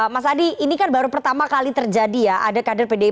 mas adi ini kan baru pertama kali terjadi ya ada kader pdip